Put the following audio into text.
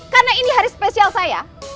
karena ini hari spesial saya